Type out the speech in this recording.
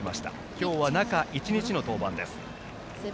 今日は中１日の登板です。